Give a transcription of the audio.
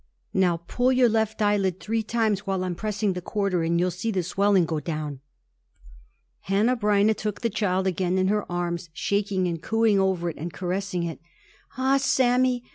"Now pull your left eyelid three times while I'm pressing the quarter, and you will see the swelling go down." Hanneh Breineh took the child again in her arms, shaking and cooing over it and caressing it. "Ah ah ah, Sammy!